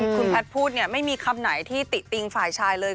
คุณแพทย์พูดเนี่ยไม่มีคำไหนที่ติติงฝ่ายชายเลย